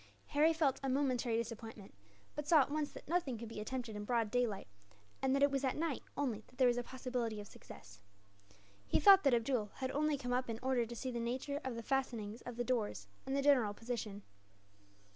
Harry felt a momentary disappointment; but saw at once that nothing could be attempted in broad daylight; and that it was at night, only, that there was a possibility of success. He thought that Abdool had only come up in order to see the nature of the fastenings of the doors, and the general position.